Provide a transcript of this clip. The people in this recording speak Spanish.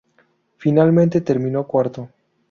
Finalmente terminó cuarto.